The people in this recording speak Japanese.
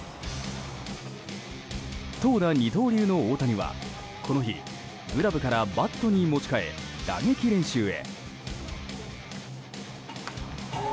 投打二刀流の大谷はこの日、グラブからバットに持ち替え打撃練習へ。